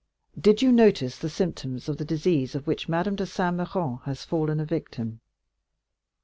"Did you notice the symptoms of the disease to which Madame de Saint Méran has fallen a victim?"